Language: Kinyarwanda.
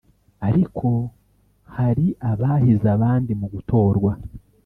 ariko hari abahize abandi mu gutorwa